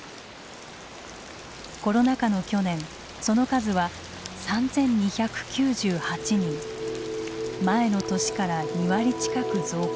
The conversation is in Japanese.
コロナ禍の去年その数は３，２９８人前の年から２割近く増加。